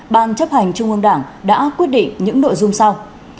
ban chấp hành trung ương đảng đã quyết định những nội dung sau